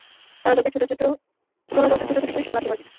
তোরা যতোই ছুটোছুটি করিস, পালাতে পারবি না!